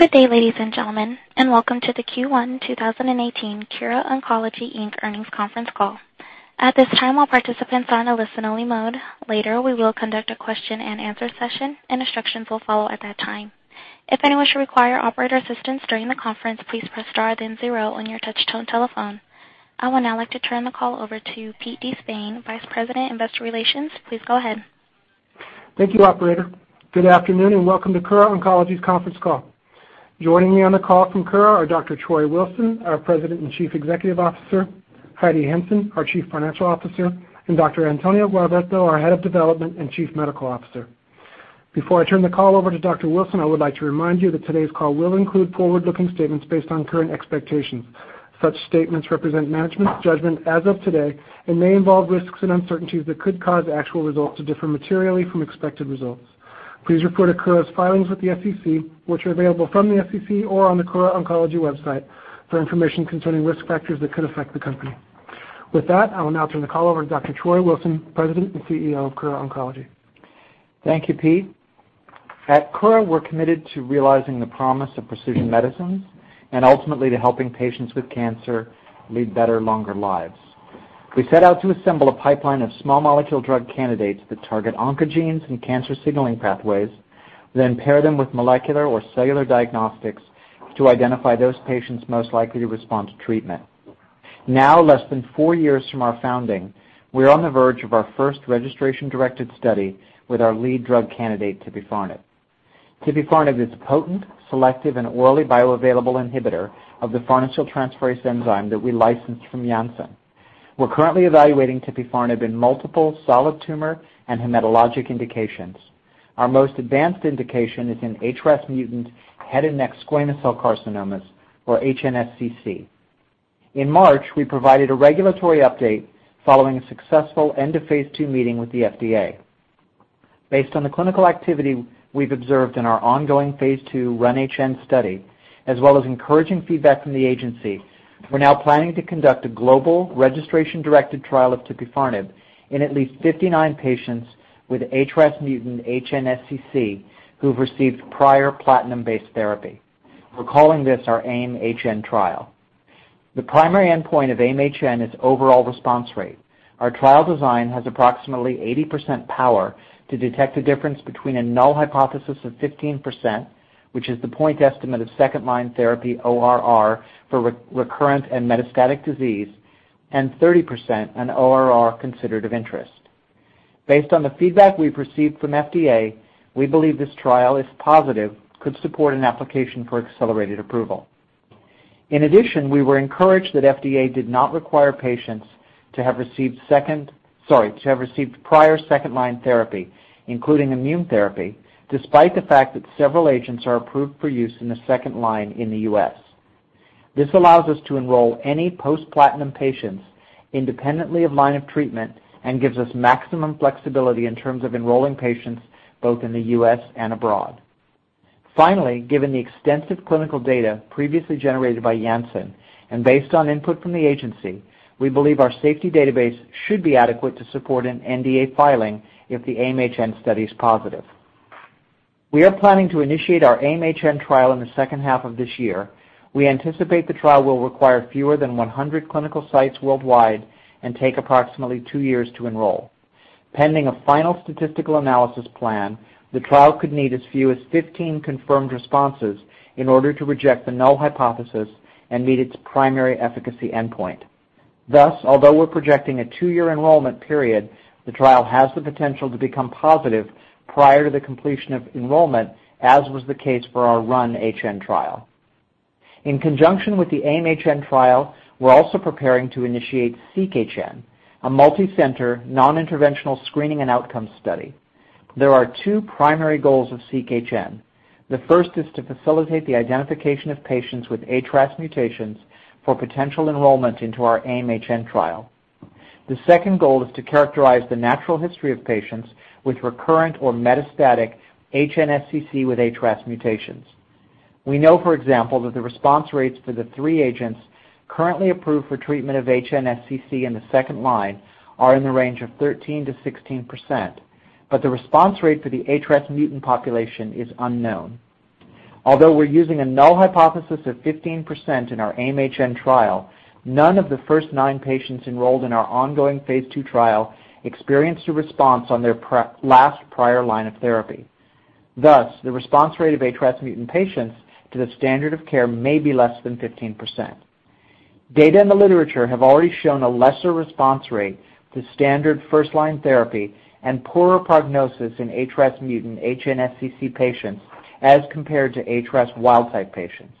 Good day, ladies and gentlemen, and welcome to the Q1 2018 Kura Oncology, Inc. earnings conference call. At this time, all participants are on a listen only mode. Later, we will conduct a question and answer session, and instructions will follow at that time. If anyone should require operator assistance during the conference, please press star then zero on your touch-tone telephone. I would now like to turn the call over to Pete DeSpain, Vice President, Investor Relations. Please go ahead. Thank you, operator. Good afternoon and welcome to Kura Oncology's conference call. Joining me on the call from Kura are Dr. Troy Wilson, our President and Chief Executive Officer, Heidi Henson, our Chief Financial Officer, and Dr. Antonio Guardabasso, our Head of Development and Chief Medical Officer. Before I turn the call over to Dr. Wilson, I would like to remind you that today's call will include forward-looking statements based on current expectations. Such statements represent management's judgment as of today and may involve risks and uncertainties that could cause actual results to differ materially from expected results. Please refer to Kura's filings with the SEC, which are available from the SEC or on the Kura Oncology website for information concerning risk factors that could affect the company. With that, I will now turn the call over to Dr. Troy Wilson, President and CEO of Kura Oncology. Thank you, Pete. At Kura, we're committed to realizing the promise of precision medicines and ultimately to helping patients with cancer lead better, longer lives. We set out to assemble a pipeline of small molecule drug candidates that target oncogenes and cancer signaling pathways, then pair them with molecular or cellular diagnostics to identify those patients most likely to respond to treatment. Now, less than four years from our founding, we are on the verge of our first registration-directed study with our lead drug candidate, tipifarnib. Tipifarnib is a potent, selective, and orally bioavailable inhibitor of the farnesyltransferase enzyme that we licensed from Janssen. We're currently evaluating tipifarnib in multiple solid tumor and hematologic indications. Our most advanced indication is in HRAS-mutant head and neck squamous cell carcinomas, or HNSCC. In March, we provided a regulatory update following a successful end of phase II meeting with the FDA. Based on the clinical activity we've observed in our ongoing phase II RUN-HN study, as well as encouraging feedback from the agency, we're now planning to conduct a global registration-directed trial of tipifarnib in at least 59 patients with HRAS mutant HNSCC who've received prior platinum-based therapy. We're calling this our AIM-HN trial. The primary endpoint of AIM-HN is overall response rate. Our trial design has approximately 80% power to detect a difference between a null hypothesis of 15%, which is the point estimate of second-line therapy ORR for recurrent and metastatic disease, and 30%, an ORR considered of interest. Based on the feedback we've received from FDA, we believe this trial, if positive, could support an application for accelerated approval. We were encouraged that FDA did not require patients to have received prior second-line therapy, including immune therapy, despite the fact that several agents are approved for use in the second-line in the U.S. This allows us to enroll any post-platinum patients independently of line of treatment and gives us maximum flexibility in terms of enrolling patients both in the U.S. and abroad. Given the extensive clinical data previously generated by Janssen and based on input from the agency, we believe our safety database should be adequate to support an NDA filing if the AIM-HN study is positive. We are planning to initiate our AIM-HN trial in the second half of this year. We anticipate the trial will require fewer than 100 clinical sites worldwide and take approximately 2 years to enroll. Pending a final statistical analysis plan, the trial could need as few as 15 confirmed responses in order to reject the null hypothesis and meet its primary efficacy endpoint. Although we're projecting a 2-year enrollment period, the trial has the potential to become positive prior to the completion of enrollment, as was the case for our RUN-HN trial. In conjunction with the AIM-HN trial, we're also preparing to initiate SEQ-HN, a multicenter, non-interventional screening and outcome study. There are 2 primary goals of SEQ-HN. The first is to facilitate the identification of patients with HRAS mutations for potential enrollment into our AIM-HN trial. The second goal is to characterize the natural history of patients with recurrent or metastatic HNSCC with HRAS mutations. We know, for example, that the response rates for the 3 agents currently approved for treatment of HNSCC in the second-line are in the range of 13%-16%, but the response rate for the HRAS mutant population is unknown. Although we're using a null hypothesis of 15% in our AIM-HN trial, none of the first nine patients enrolled in our ongoing phase II trial experienced a response on their last prior line of therapy. The response rate of HRAS mutant patients to the standard of care may be less than 15%. Data in the literature have already shown a lesser response rate to standard first-line therapy and poorer prognosis in HRAS mutant HNSCC patients as compared to HRAS wild-type patients,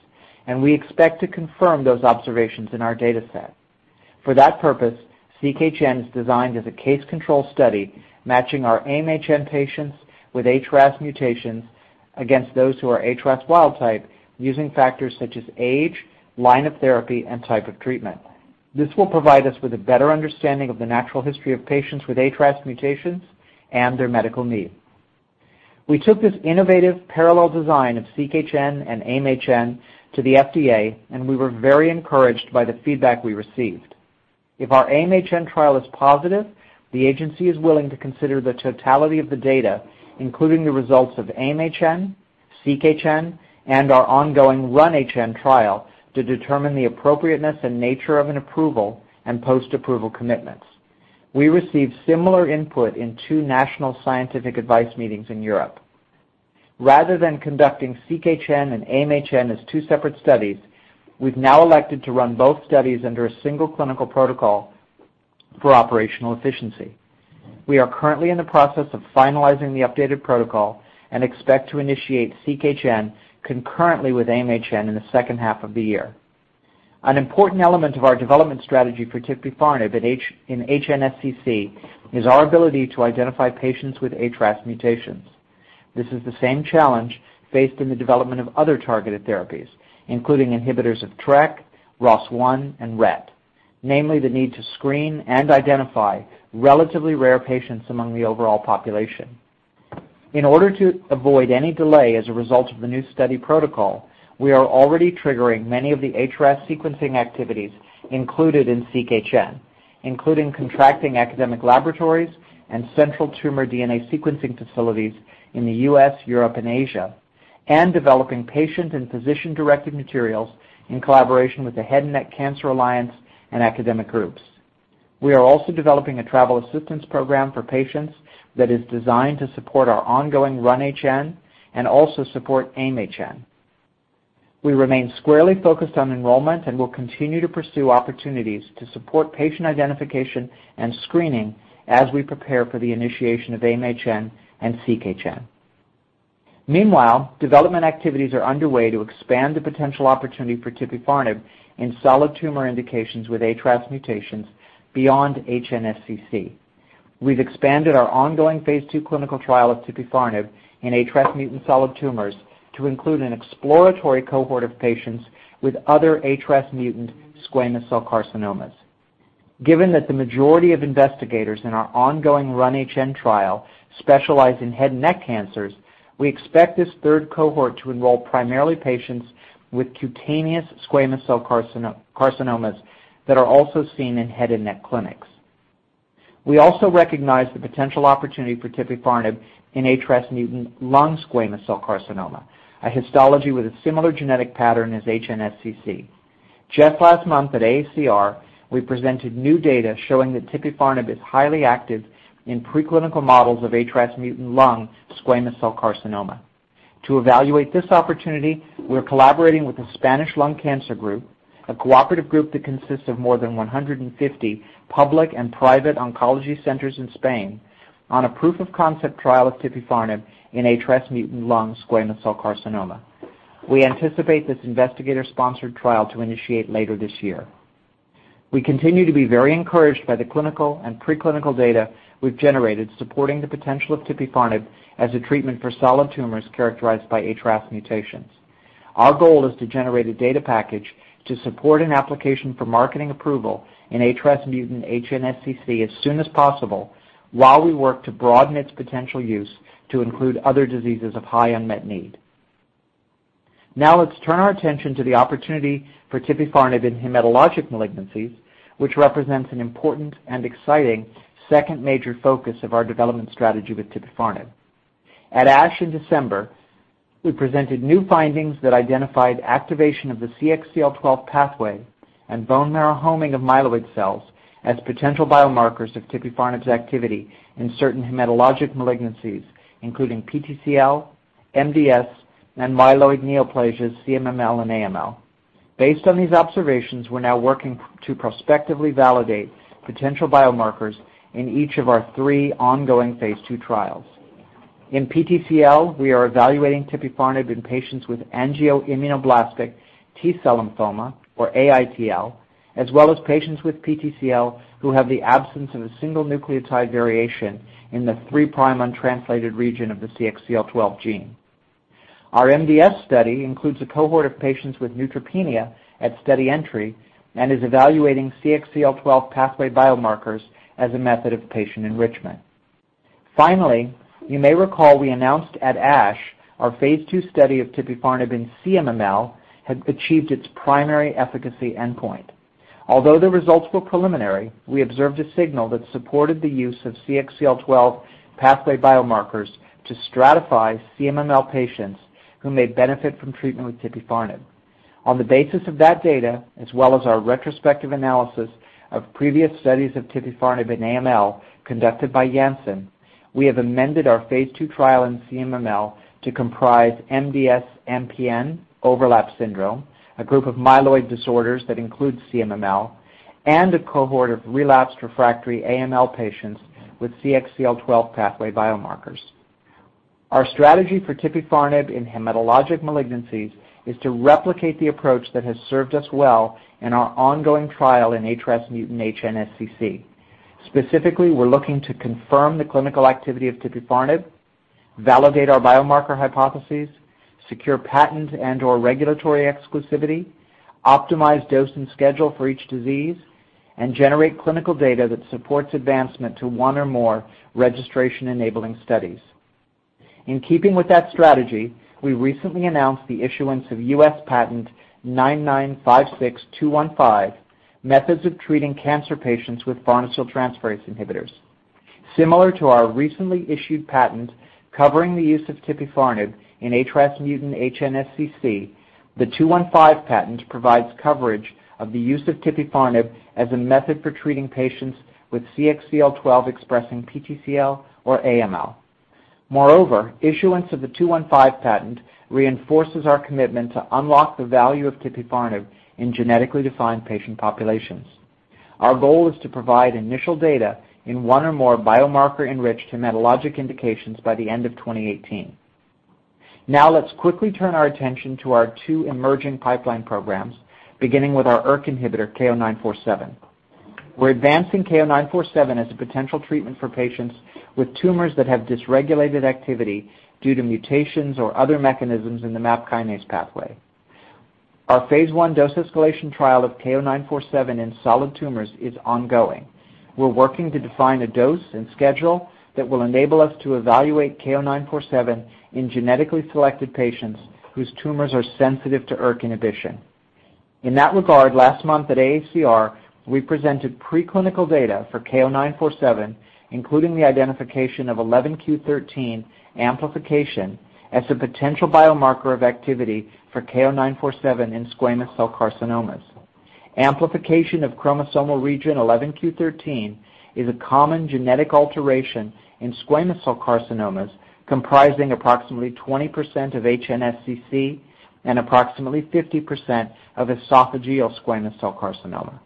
and we expect to confirm those observations in our data set. For that purpose, SEQ-HN is designed as a case control study, matching our AIM-HN patients with HRAS mutations against those who are HRAS wild type using factors such as age, line of therapy, and type of treatment. This will provide us with a better understanding of the natural history of patients with HRAS mutations and their medical needs. We took this innovative parallel design of SEQ-HN and AIM-HN to the FDA, and we were very encouraged by the feedback we received. If our AIM-HN trial is positive, the agency is willing to consider the totality of the data, including the results of AIM-HN, SEQ-HN, and our ongoing RUN-HN trial to determine the appropriateness and nature of an approval and post-approval commitments. We received similar input in 2 national scientific advice meetings in Europe. Rather than conducting SEQ-HN and AIM-HN as two separate studies, we've now elected to run both studies under a single clinical protocol for operational efficiency. We are currently in the process of finalizing the updated protocol and expect to initiate SEQ-HN concurrently with AIM-HN in the second half of the year. An important element of our development strategy for tipifarnib in HNSCC is our ability to identify patients with HRAS mutations. This is the same challenge faced in the development of other targeted therapies, including inhibitors of TRK, ROS1, and RET. Namely, the need to screen and identify relatively rare patients among the overall population. In order to avoid any delay as a result of the new study protocol, we are already triggering many of the HRAS sequencing activities included in SEQ-HN, including contracting academic laboratories and central tumor DNA sequencing facilities in the U.S., Europe, and Asia, and developing patient and physician directive materials in collaboration with the Head and Neck Cancer Alliance and academic groups. We are also developing a travel assistance program for patients that is designed to support our ongoing RUN-HN and also support AIM-HN. We remain squarely focused on enrollment and will continue to pursue opportunities to support patient identification and screening as we prepare for the initiation of AIM-HN and SEQ-HN. Meanwhile, development activities are underway to expand the potential opportunity for tipifarnib in solid tumor indications with HRAS mutations beyond HNSCC. We've expanded our ongoing phase II clinical trial of tipifarnib in HRAS mutant solid tumors to include an exploratory cohort of patients with other HRAS mutant squamous cell carcinomas. Given that the majority of investigators in our ongoing RUN-HN trial specialize in head and neck cancers, we expect this third cohort to enroll primarily patients with cutaneous squamous cell carcinomas that are also seen in head and neck clinics. We also recognize the potential opportunity for tipifarnib in HRAS mutant lung squamous cell carcinoma, a histology with a similar genetic pattern as HNSCC. Just last month at AACR, we presented new data showing that tipifarnib is highly active in preclinical models of HRAS mutant lung squamous cell carcinoma. To evaluate this opportunity, we're collaborating with the Spanish Lung Cancer Group, a cooperative group that consists of more than 150 public and private oncology centers in Spain, on a proof of concept trial of tipifarnib in HRAS mutant lung squamous cell carcinoma. We anticipate this investigator-sponsored trial to initiate later this year. We continue to be very encouraged by the clinical and preclinical data we've generated supporting the potential of tipifarnib as a treatment for solid tumors characterized by HRAS mutations. Our goal is to generate a data package to support an application for marketing approval in HRAS mutant HNSCC as soon as possible while we work to broaden its potential use to include other diseases of high unmet need. Let's turn our attention to the opportunity for tipifarnib in hematologic malignancies, which represents an important and exciting second major focus of our development strategy with tipifarnib. At ASH in December, we presented new findings that identified activation of the CXCL12 pathway and bone marrow homing of myeloid cells as potential biomarkers of tipifarnib's activity in certain hematologic malignancies, including PTCL, MDS, and myeloid neoplasias, CMML, and AML. Based on these observations, we're now working to prospectively validate potential biomarkers in each of our 3 ongoing phase II trials. In PTCL, we are evaluating tipifarnib in patients with angioimmunoblastic T-cell lymphoma, or AITL, as well as patients with PTCL who have the absence of a single nucleotide variation in the 3 prime untranslated region of the CXCL12 gene. Our MDS study includes a cohort of patients with neutropenia at study entry and is evaluating CXCL12 pathway biomarkers as a method of patient enrichment. Finally, you may recall we announced at ASH our phase II study of tipifarnib in CMML had achieved its primary efficacy endpoint. Although the results were preliminary, we observed a signal that supported the use of CXCL12 pathway biomarkers to stratify CMML patients who may benefit from treatment with tipifarnib. On the basis of that data, as well as our retrospective analysis of previous studies of tipifarnib in AML conducted by Janssen, we have amended our phase II trial in CMML to comprise MDS/MPN overlap syndrome, a group of myeloid disorders that includes CMML, and a cohort of relapsed refractory AML patients with CXCL12 pathway biomarkers. Our strategy for tipifarnib in hematologic malignancies is to replicate the approach that has served us well in our ongoing trial in HRAS mutant HNSCC. Specifically, we're looking to confirm the clinical activity of tipifarnib, validate our biomarker hypotheses, secure patent and/or regulatory exclusivity, optimize dose and schedule for each disease, and generate clinical data that supports advancement to one or more registration-enabling studies. In keeping with that strategy, we recently announced the issuance of U.S. Patent 9,956,215, methods of treating cancer patients with farnesyltransferase inhibitors. Similar to our recently issued patent covering the use of tipifarnib in HRAS mutant HNSCC, the 215 patent provides coverage of the use of tipifarnib as a method for treating patients with CXCL12-expressing PTCL or AML. Moreover, issuance of the 215 patent reinforces our commitment to unlock the value of tipifarnib in genetically defined patient populations. Our goal is to provide initial data in one or more biomarker-enriched hematologic indications by the end of 2018. Now let's quickly turn our attention to our 2 emerging pipeline programs, beginning with our ERK inhibitor, KO-947. We're advancing KO-947 as a potential treatment for patients with tumors that have dysregulated activity due to mutations or other mechanisms in the MAP kinase pathway. Our phase I dose escalation trial of KO-947 in solid tumors is ongoing. We're working to define a dose and schedule that will enable us to evaluate KO-947 in genetically selected patients whose tumors are sensitive to ERK inhibition. In that regard, last month at AACR, we presented pre-clinical data for KO-947, including the identification of 11q13 amplification as a potential biomarker of activity for KO-947 in squamous cell carcinomas. Amplification of chromosomal region 11q13 is a common genetic alteration in squamous cell carcinomas, comprising approximately 20% of HNSCC and approximately 50% of esophageal squamous cell carcinoma.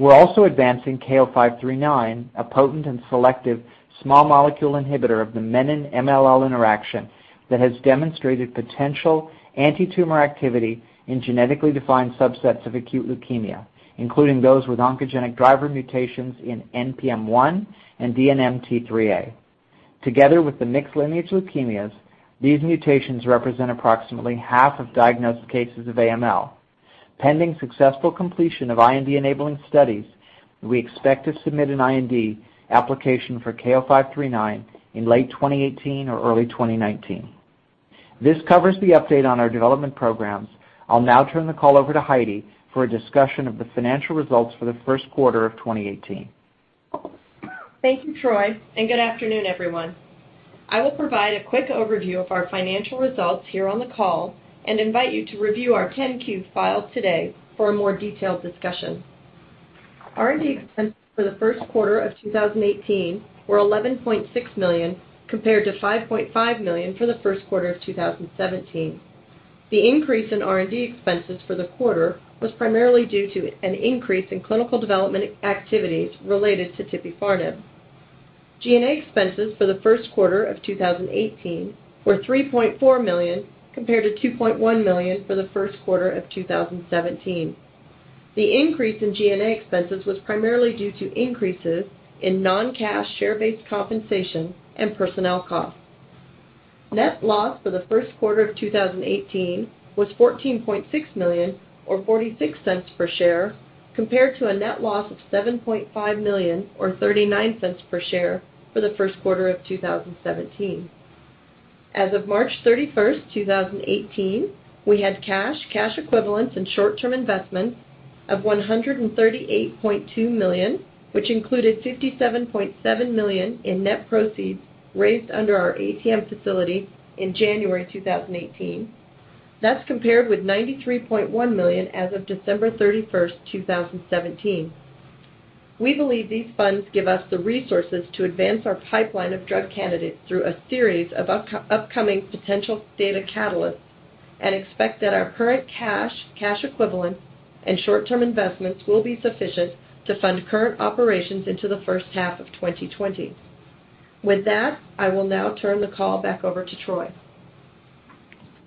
We're also advancing KO-539, a potent and selective small molecule inhibitor of the menin-MLL interaction that has demonstrated potential anti-tumor activity in genetically defined subsets of acute leukemia, including those with oncogenic driver mutations in NPM1 and DNMT3A. Together with the mixed lineage leukemias, these mutations represent approximately half of diagnosed cases of AML. Pending successful completion of IND-enabling studies, we expect to submit an IND application for KO-539 in late 2018 or early 2019. This covers the update on our development programs. I will now turn the call over to Heidi for a discussion of the financial results for the first quarter of 2018. Thank you, Troy, and good afternoon, everyone. I will provide a quick overview of our financial results here on the call and invite you to review our 10-Q filed today for a more detailed discussion. R&D expenses for the first quarter of 2018 were $11.6 million, compared to $5.5 million for the first quarter of 2017. The increase in R&D expenses for the quarter was primarily due to an increase in clinical development activities related to tipifarnib. G&A expenses for the first quarter of 2018 were $3.4 million, compared to $2.1 million for the first quarter of 2017. The increase in G&A expenses was primarily due to increases in non-cash share-based compensation and personnel costs. Net loss for the first quarter of 2018 was $14.6 million, or $0.46 per share, compared to a net loss of $7.5 million or $0.39 per share for the first quarter of 2017. As of March 31st, 2018, we had cash equivalents, and short-term investments of $138.2 million, which included $57.7 million in net proceeds raised under our ATM facility in January 2018. That's compared with $93.1 million as of December 31st, 2017. We believe these funds give us the resources to advance our pipeline of drug candidates through a series of upcoming potential data catalysts and expect that our current cash equivalents, and short-term investments will be sufficient to fund current operations into the first half of 2020. With that, I will now turn the call back over to Troy.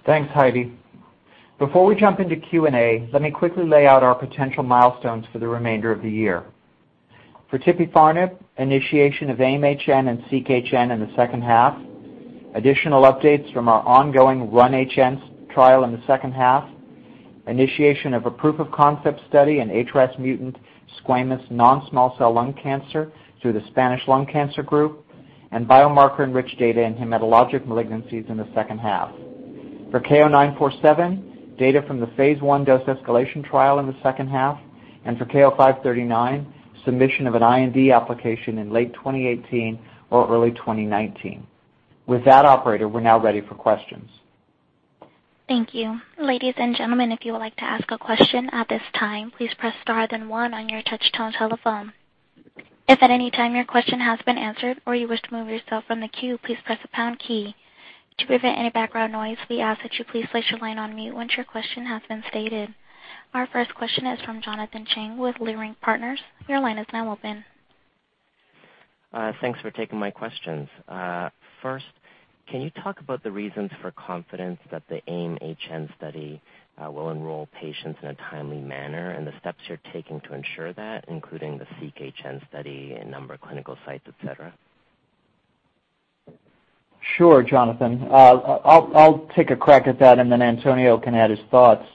Thanks, Heidi. Before we jump into Q&A, let me quickly lay out our potential milestones for the remainder of the year. For tipifarnib, initiation of AIM-HN and SEQ-HN in the second half, additional updates from our ongoing RUN-HN trial in the second half, initiation of a proof of concept study in HRAS-mutant squamous non-small cell lung cancer through the Spanish Lung Cancer Group, and biomarker-enriched data in hematologic malignancies in the second half. For KO-947, data from the phase I dose escalation trial in the second half. For KO-539, submission of an IND application in late 2018 or early 2019. With that, operator, we're now ready for questions. Thank you. Ladies and gentlemen, if you would like to ask a question at this time, please press star then one on your touch-tone telephone. If at any time your question has been answered or you wish to remove yourself from the queue, please press the pound key. To prevent any background noise, we ask that you please place your line on mute once your question has been stated. Our first question is from Jonathan Chang with Leerink Partners. Your line is now open. Thanks for taking my questions. First, can you talk about the reasons for confidence that the AIM-HN study will enroll patients in a timely manner and the steps you're taking to ensure that, including the SEQ-HN study and number of clinical sites, et cetera? Sure, Jonathan. I'll take a crack at that, and then Antonio can add his thoughts.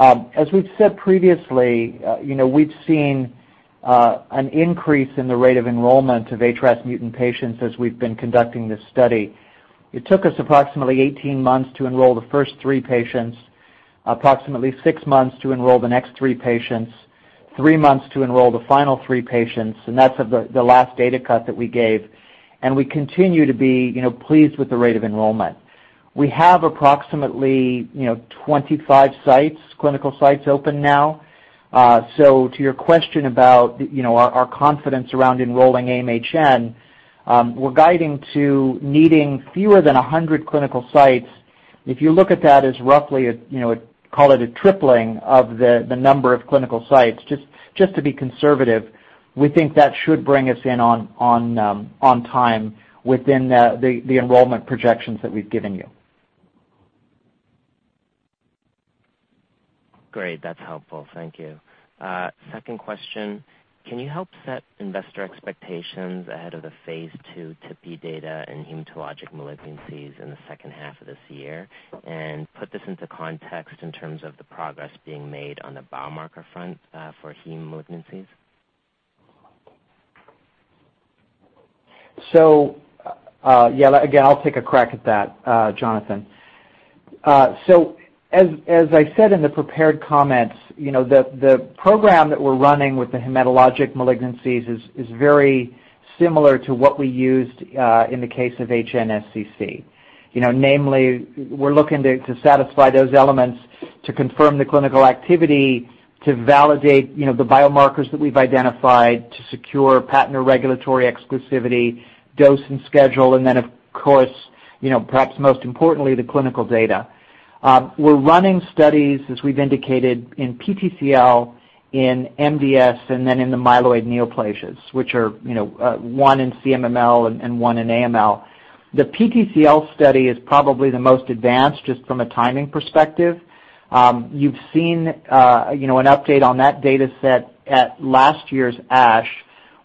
As we've said previously, we've seen an increase in the rate of enrollment of HRAS mutant patients as we've been conducting this study. It took us approximately 18 months to enroll the first three patients, approximately six months to enroll the next three patients, three months to enroll the final three patients, and that's of the last data cut that we gave. We continue to be pleased with the rate of enrollment. We have approximately 25 clinical sites open now. To your question about our confidence around enrolling AIM-HN, we're guiding to needing fewer than 100 clinical sites. If you look at that as roughly, call it a tripling of the number of clinical sites, just to be conservative, we think that should bring us in on time within the enrollment projections that we've given you. Great. That's helpful. Thank you. Second question. Can you help set investor expectations ahead of the phase II tipifarnib data in hematologic malignancies in the second half of this year? Put this into context in terms of the progress being made on the biomarker front for heme malignancies. Yeah, again, I'll take a crack at that, Jonathan. As I said in the prepared comments, the program that we're running with the hematologic malignancies is very similar to what we used in the case of HNSCC. Namely, we're looking to satisfy those elements to confirm the clinical activity, to validate the biomarkers that we've identified, to secure patent or regulatory exclusivity, dose, and schedule, and then of course, perhaps most importantly, the clinical data. We're running studies, as we've indicated, in PTCL, in MDS, and then in the myeloid neoplasias, which are one in CMML and one in AML. The PTCL study is probably the most advanced, just from a timing perspective. You've seen an update on that data set at last year's ASH,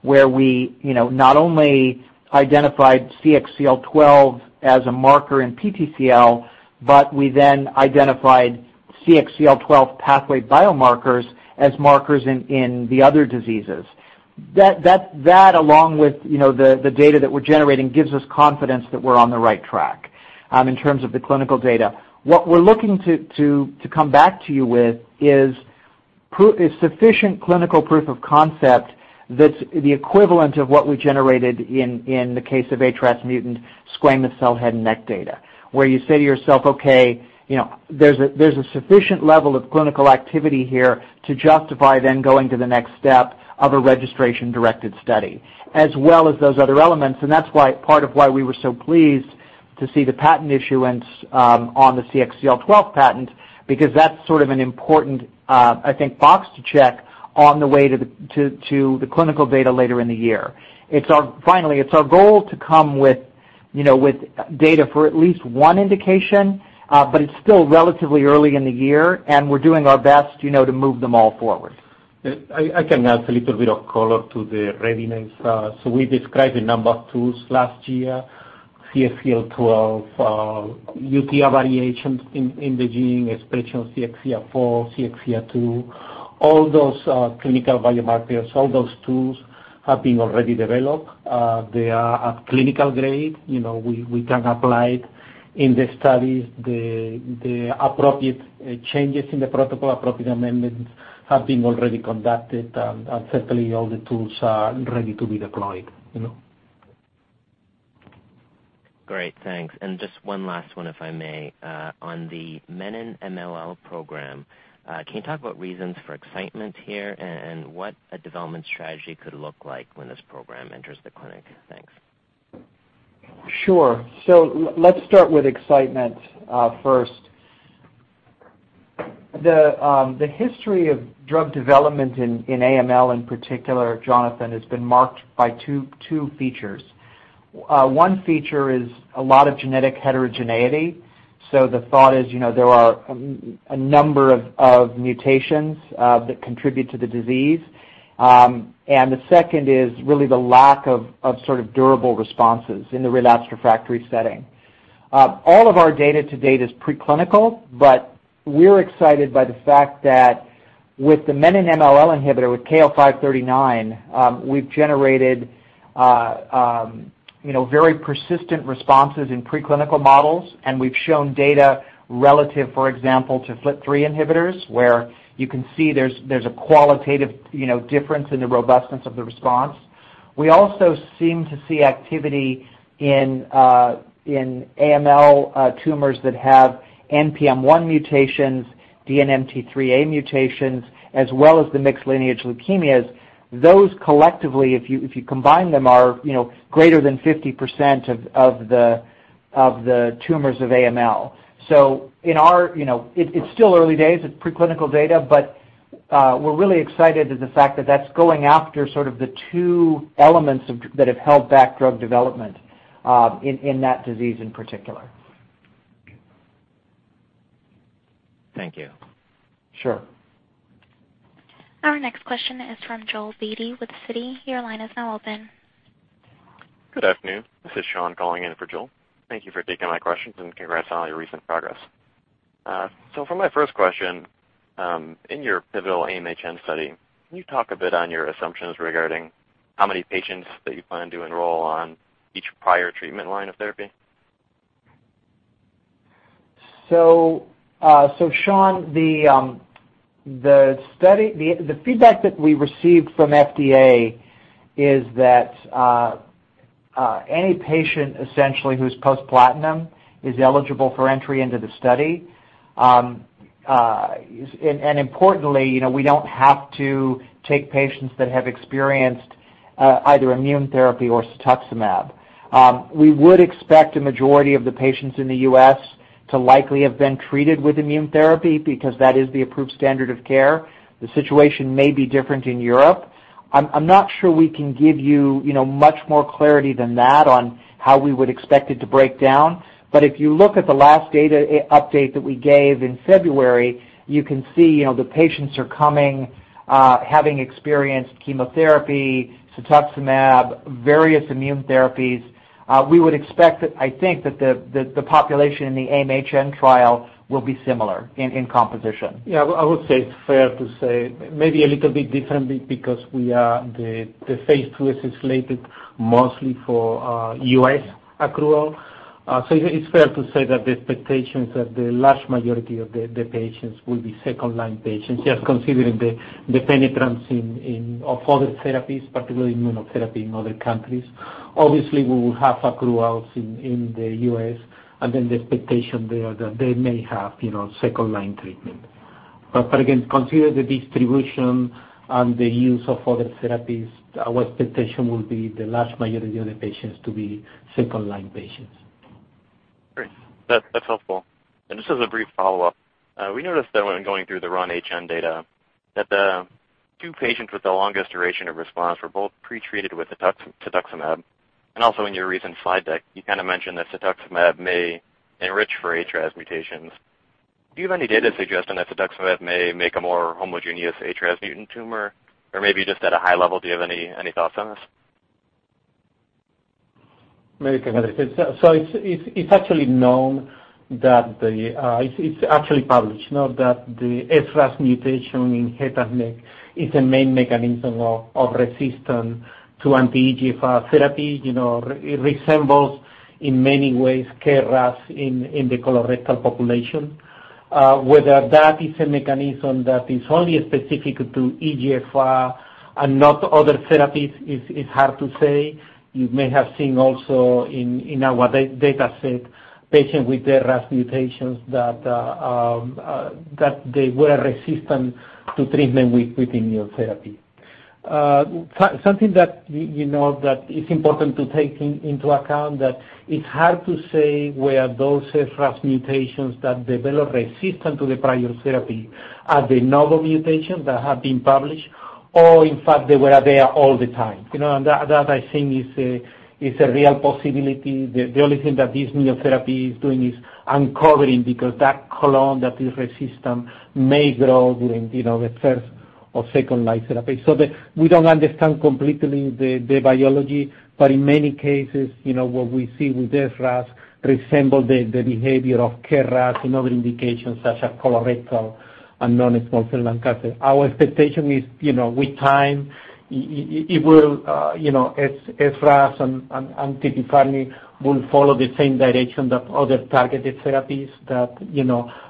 where we not only identified CXCL12 as a marker in PTCL, but we identified CXCL12 pathway biomarkers as markers in the other diseases. That along with the data that we're generating gives us confidence that we're on the right track in terms of the clinical data. What we're looking to come back to you with is sufficient clinical proof of concept that's the equivalent of what we generated in the case of HRAS mutant squamous cell head and neck data, where you say to yourself, "Okay, there's a sufficient level of clinical activity here to justify going to the next step of a registration-directed study," as well as those other elements. That's part of why we were so pleased to see the patent issuance on the CXCL12 patent because that's sort of an important box to check on the way to the clinical data later in the year. Finally, it's our goal to come with data for at least one indication, It's still relatively early in the year, We're doing our best to move them all forward. I can add a little bit of color to the readiness. We described a number of tools last year, CXCL12, UTR variations in the gene, expression of CXCL4, CXCL2. All those clinical biomarkers, all those tools have been already developed. They are at clinical grade. We can apply it in the studies. The appropriate changes in the protocol, appropriate amendments have been already conducted. Certainly all the tools are ready to be deployed. Great, thanks. Just one last one, if I may. On the menin-MLL program, can you talk about reasons for excitement here and what a development strategy could look like when this program enters the clinic? Thanks. Sure. Let's start with excitement first. The history of drug development in AML in particular, Jonathan, has been marked by two features. One feature is a lot of genetic heterogeneity. The thought is there are a number of mutations that contribute to the disease. The second is really the lack of sort of durable responses in the relapsed refractory setting. All of our data to date is preclinical, but we're excited by the fact that with the menin-MLL inhibitor, with KO-539, we've generated very persistent responses in preclinical models, and we've shown data relative, for example, to FLT3 inhibitors, where you can see there's a qualitative difference in the robustness of the response. We also seem to see activity in AML tumors that have NPM1 mutations, DNMT3A mutations, as well as the mixed lineage leukemias. Those collectively, if you combine them, are greater than 50% of the tumors of AML. It's still early days, it's preclinical data, but we're really excited at the fact that that's going after sort of the two elements that have held back drug development in that disease in particular. Thank you. Sure. Our next question is from Joel Beatty with Citi. Your line is now open. Good afternoon. This is Sean calling in for Joel. Thank you for taking my questions, and congrats on all your recent progress. For my first question, in your pivotal AIM-HN study, can you talk a bit on your assumptions regarding how many patients that you plan to enroll on each prior treatment line of therapy? Sean, the feedback that we received from FDA is that any patient essentially who's post platinum is eligible for entry into the study. Importantly, we don't have to take patients that have experienced either immune therapy or cetuximab. We would expect a majority of the patients in the U.S. to likely have been treated with immune therapy because that is the approved standard of care. The situation may be different in Europe. I'm not sure we can give you much more clarity than that on how we would expect it to break down. If you look at the last data update that we gave in February, you can see the patients are coming having experienced chemotherapy, cetuximab, various immune therapies. We would expect that, I think, that the population in the AIM-HN trial will be similar in composition. I would say it's fair to say maybe a little bit different because the phase II is slated mostly for U.S. accrual. It's fair to say that the expectations that the large majority of the patients will be second-line patients, just considering the penetrance of other therapies, particularly immunotherapy in other countries. Obviously, we will have accruals in the U.S., the expectation there that they may have second-line treatment. Again, consider the distribution and the use of other therapies. Our expectation will be the large majority of the patients to be second-line patients. Great. That's helpful. Just as a brief follow-up. We noticed that when going through the RUN-HN data that the two patients with the longest duration of response were both pre-treated with cetuximab. Also in your recent slide deck, you kind of mentioned that cetuximab may enrich for HRAS mutations. Do you have any data suggesting that cetuximab may make a more homogeneous HRAS mutant tumor? Maybe just at a high level, do you have any thoughts on this? It's actually published, not that the HRAS mutation in head and neck is a main mechanism of resistance to anti-EGFR therapy. It resembles in many ways KRAS in the colorectal population. Whether that is a mechanism that is only specific to EGFR and not other therapies is hard to say. You may have seen also in our data set, patients with the HRAS mutations that they were resistant to treatment with immunotherapy. Something that it's important to take into account that it's hard to say where those HRAS mutations that develop resistance to the prior therapy are the novel mutations that have been published, or in fact, they were there all the time. That I think is a real possibility. The only thing that this new therapy is doing is uncovering because that clone that is resistant may grow during the first or second-line therapy. We don't understand completely the biology, in many cases, what we see with HRAS resemble the behavior of KRAS in other indications such as colorectal and non-small cell lung cancer. Our expectation is with time, HRAS and tipifarnib will follow the same direction that other targeted therapies that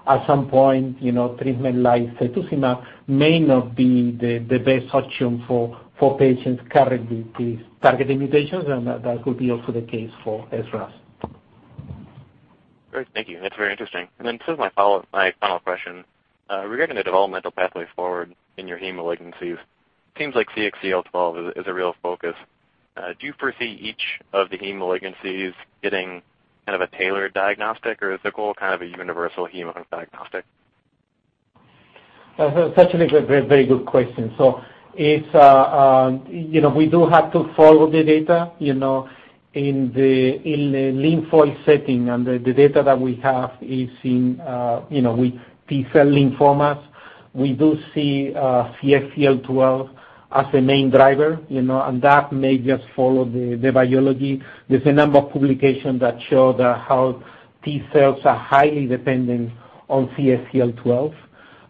at some point, treatment like cetuximab may not be the best option for patients carrying these target mutations, and that could be also the case for HRAS. Great. Thank you. That's very interesting. This is my final question. Regarding the developmental pathway forward in your heme malignancies, seems like CXCL12 is a real focus. Do you foresee each of the heme malignancies getting kind of a tailored diagnostic, or is the goal kind of a universal heme diagnostic? That's actually a very good question. We do have to follow the data. In the lymphoid setting and the data that we have is in T-cell lymphomas. We do see CXCL12 as a main driver, and that may just follow the biology. There's a number of publications that show that how T-cells are highly dependent on CXCL12.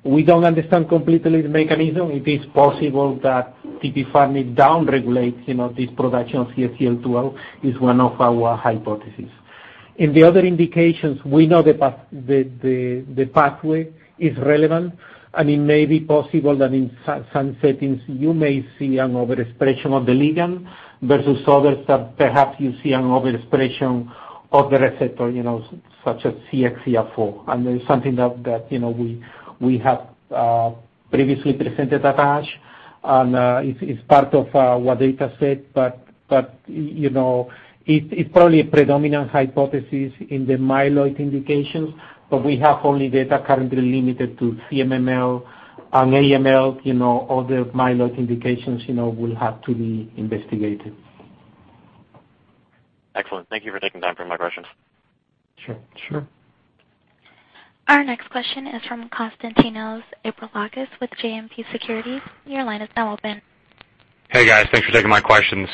We don't understand completely the mechanism. It is possible that tipifarnib down-regulates this production of CXCL12 is one of our hypotheses. In the other indications, we know the pathway is relevant, and it may be possible that in some settings you may see an overexpression of the ligand versus others that perhaps you see an overexpression of the receptor, such as CXCL4. It's something that we have previously presented at ASH, and it's part of our data set. It's probably a predominant hypothesis in the myeloid indications, but we have only data currently limited to CMML and AML. Other myeloid indications will have to be investigated. Excellent. Thank you for taking time for my questions. Sure. Our next question is from Konstantinos Aparagas with JMP Securities. Your line is now open. Hey, guys. Thanks for taking my questions.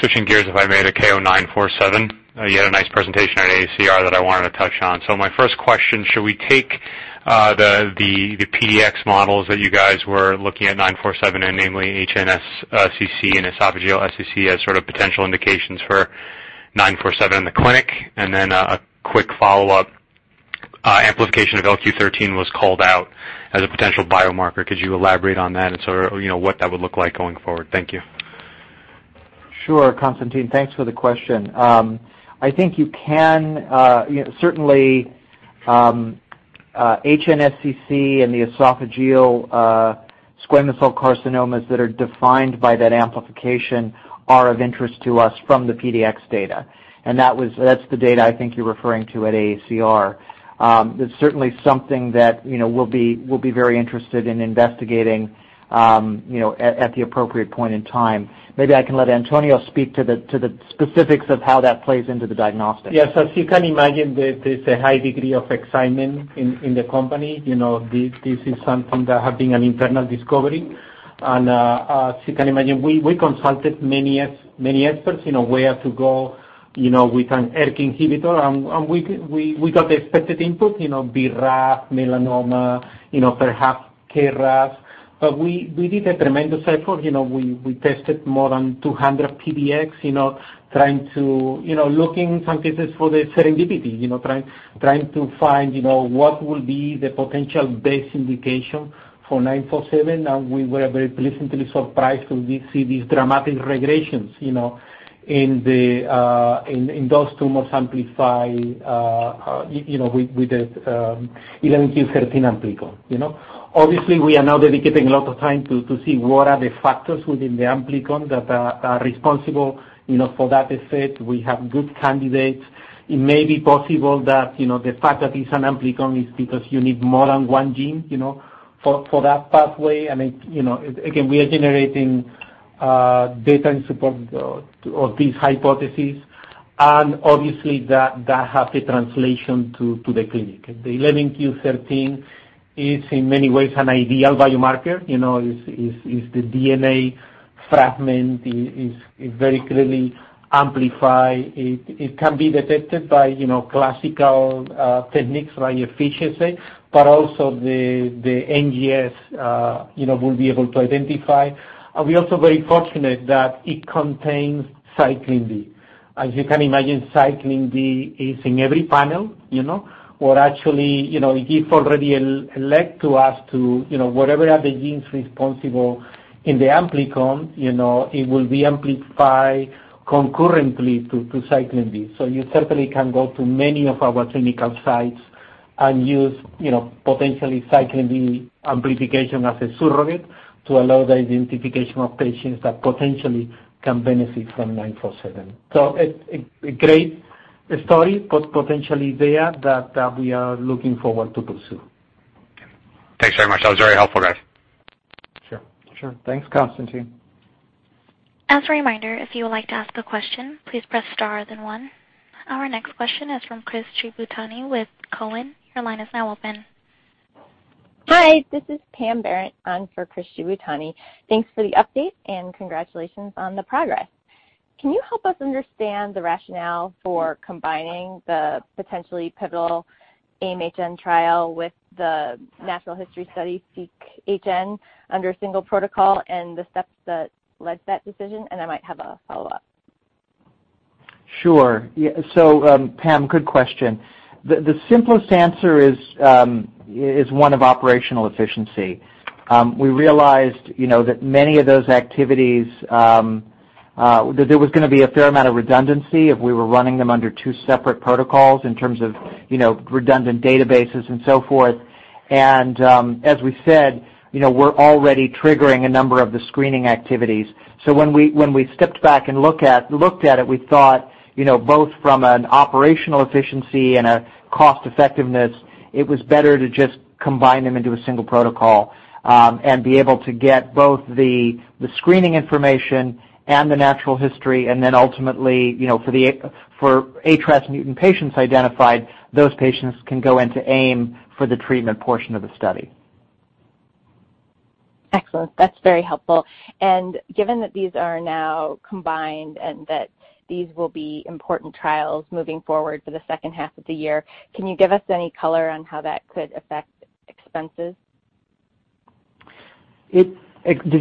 Switching gears, if I may, to KO-947. You had a nice presentation at AACR that I wanted to touch on. My first question, should we take the PDX models that you guys were looking at 947 in, namely HNSCC and esophageal SCC, as sort of potential indications for 947 in the clinic? A quick follow-up. Amplification of 11q13 was called out as a potential biomarker. Could you elaborate on that and sort of what that would look like going forward? Thank you. Sure, Konstantin. Thanks for the question. I think you can certainly, HNSCC and the esophageal squamous cell carcinomas that are defined by that amplification are of interest to us from the PDX data. That's the data I think you're referring to at AACR. It's certainly something that we'll be very interested in investigating at the appropriate point in time. Maybe I can let Antonio speak to the specifics of how that plays into the diagnostic. Yes. As you can imagine, there's a high degree of excitement in the company. This is something that have been an internal discovery. As you can imagine, we consulted many experts in a way to go with an ERK inhibitor. We got the expected input, BRAF, melanoma, perhaps KRAS. We did a tremendous effort. We tested more than 200 PDX, looking in some cases for the serendipity. Trying to find what will be the potential best indication for 947, and we were very pleasantly surprised to see these dramatic regressions in those tumors amplify with the 11q13 amplicon. Obviously, we are now dedicating a lot of time to see what are the factors within the amplicon that are responsible for that effect. We have good candidates. It may be possible that the fact that it's an amplicon is because you need more than one gene for that pathway. Again, we are generating data in support of this hypothesis. Obviously that has the translation to the clinic. The 11q13 is in many ways an ideal biomarker. It's the DNA fragment. It's very clearly amplified. It can be detected by classical techniques like FISH assay, but also the NGS will be able to identify. We're also very fortunate that it contains cyclin D. As you can imagine, cyclin D is in every panel. Actually, it already led to us to whatever are the genes responsible in the amplicon, it will be amplified concurrently to cyclin D. You certainly can go to many of our clinical sites and use potentially cyclin D amplification as a surrogate to allow the identification of patients that potentially can benefit from 947. It's a great story, but potentially there that we are looking forward to pursue. Okay. Thanks very much. That was very helpful, guys. Sure. Sure. Thanks, Konstantin. As a reminder, if you would like to ask a question, please press star, then one. Our next question is from Chris Shibutani with Cowen. Your line is now open. Hi, this is Pamela Barrett on for Chris Shibutani. Thanks for the update and congratulations on the progress. Can you help us understand the rationale for combining the potentially pivotal AIM-HN trial with the natural history study SEQ-HN under a single protocol and the steps that led to that decision? I might have a follow-up. Sure. Pam, good question. The simplest answer is one of operational efficiency. We realized that many of those activities, that there was going to be a fair amount of redundancy if we were running them under two separate protocols in terms of redundant databases and so forth. As we said, we're already triggering a number of the screening activities. When we stepped back and looked at it, we thought both from an operational efficiency and a cost effectiveness, it was better to just combine them into a single protocol and be able to get both the screening information and the natural history. Then ultimately, for HRAS mutant patients identified, those patients can go into AIM for the treatment portion of the study. Excellent. That's very helpful. Given that these are now combined and that these will be important trials moving forward for the second half of the year, can you give us any color on how that could affect expenses? Did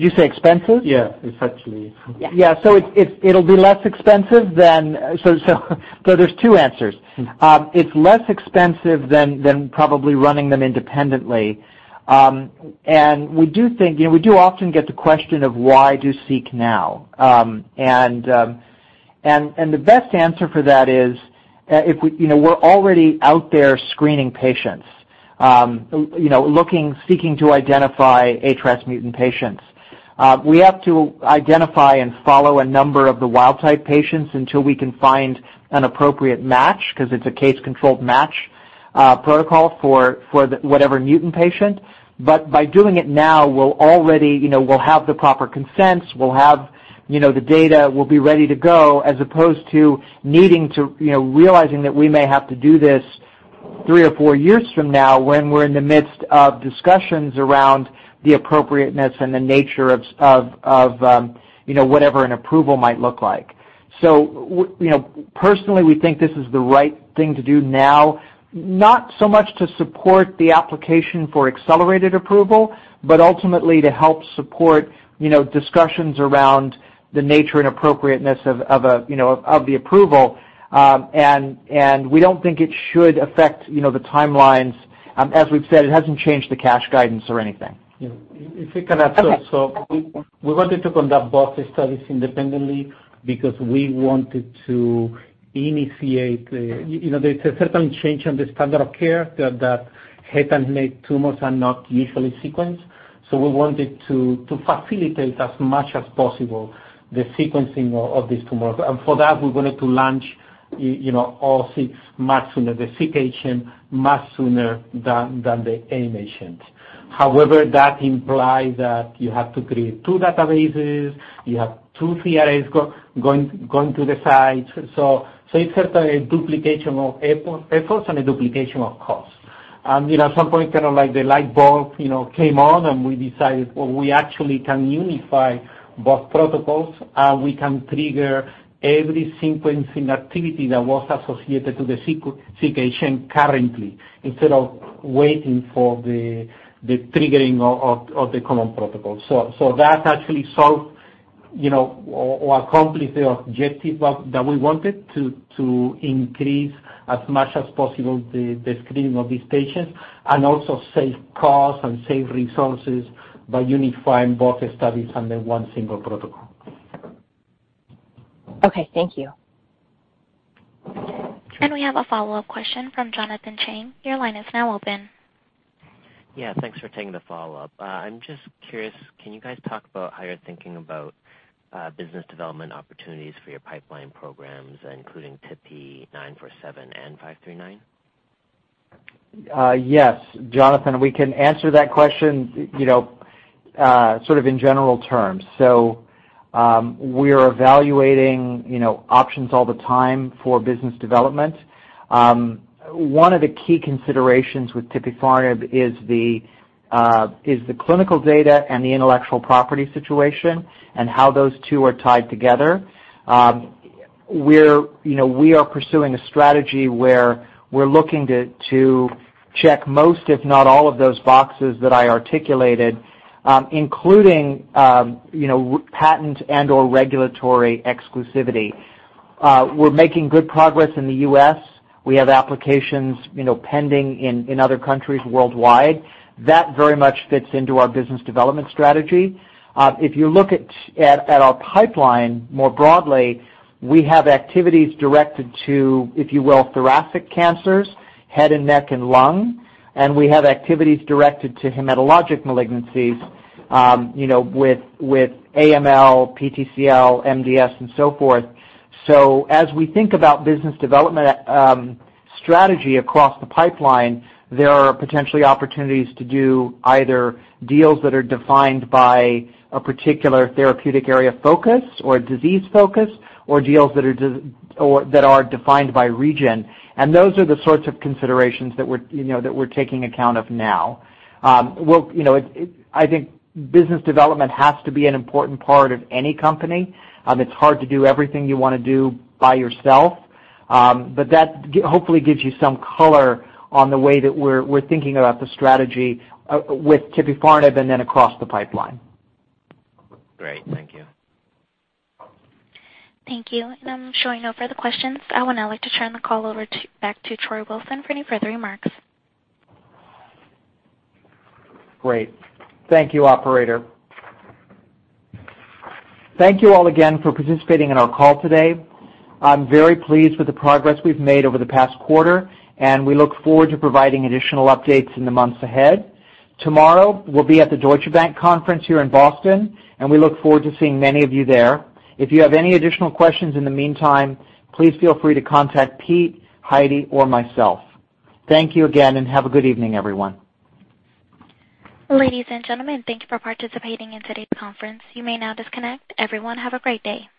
you say expenses? Yeah, exactly. Yeah. Yeah. It'll be less expensive than there's two answers. It's less expensive than probably running them independently. We do often get the question of why do SEQ-HN now? The best answer for that is we're already out there screening patients. Looking, seeking to identify HRAS mutant patients. We have to identify and follow a number of the wild-type patients until we can find an appropriate match, because it's a case-controlled match protocol for whatever mutant patient. By doing it now, we'll have the proper consents, we'll have the data, we'll be ready to go, as opposed to realizing that we may have to do this three or four years from now, when we're in the midst of discussions around the appropriateness and the nature of whatever an approval might look like. Personally, we think this is the right thing to do now, not so much to support the application for accelerated approval, but ultimately to help support discussions around the nature and appropriateness of the approval. We don't think it should affect the timelines. As we've said, it hasn't changed the cash guidance or anything. Yeah. If we can add to that. Okay. We wanted to conduct both studies independently because there's a certain change in the standard of care that head and neck tumors are not usually sequenced. We wanted to facilitate as much as possible the sequencing of these tumors. For that, we wanted to launch all six much sooner, the SEQ-HN much sooner than the AIM-HM. However, that implies that you have to create two databases, you have two CRAs going to the site. It's certainly a duplication of efforts and a duplication of cost. At some point, kind of like the light bulb came on, and we decided we actually can unify both protocols. We can trigger every sequencing activity that was associated to the SEQ-HN currently, instead of waiting for the triggering of the common protocol. That actually solved or accomplished the objective that we wanted, to increase as much as possible the screening of these patients, and also save costs and save resources by unifying both studies under one single protocol. Okay. Thank you. We have a follow-up question from Jonathan Chang. Your line is now open. Yeah. Thanks for taking the follow-up. I'm just curious, can you guys talk about how you're thinking about business development opportunities for your pipeline programs, including Tipi 947 and 539? Yes, Jonathan, we can answer that question sort of in general terms. We're evaluating options all the time for business development. One of the key considerations with tipifarnib is the clinical data and the intellectual property situation and how those two are tied together. We are pursuing a strategy where we're looking to check most, if not all of those boxes that I articulated, including patent and/or regulatory exclusivity. We're making good progress in the U.S. We have applications pending in other countries worldwide. That very much fits into our business development strategy. If you look at our pipeline more broadly, we have activities directed to, if you will, thoracic cancers, head and neck, and lung, and we have activities directed to hematologic malignancies with AML, PTCL, MDS, and so forth. As we think about business development strategy across the pipeline, there are potentially opportunities to do either deals that are defined by a particular therapeutic area focus or a disease focus, or deals that are defined by region. Those are the sorts of considerations that we're taking account of now. I think business development has to be an important part of any company. It's hard to do everything you want to do by yourself. That hopefully gives you some color on the way that we're thinking about the strategy with tipifarnib and then across the pipeline. Great. Thank you. Thank you. I'm showing no further questions. I would now like to turn the call over back to Troy Wilson for any further remarks. Great. Thank you, operator. Thank you all again for participating in our call today. I'm very pleased with the progress we've made over the past quarter. We look forward to providing additional updates in the months ahead. Tomorrow, we'll be at the Deutsche Bank Conference here in Boston. We look forward to seeing many of you there. If you have any additional questions in the meantime, please feel free to contact Pete, Heidi, or myself. Thank you again. Have a good evening, everyone. Ladies and gentlemen, thank you for participating in today's conference. You may now disconnect. Everyone, have a great day.